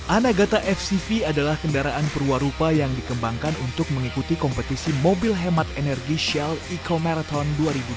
anagata fcv adalah kendaraan perwarupa yang dikembangkan untuk mengikuti kompetisi mobil hemat energi shell eco marathon dua ribu dua puluh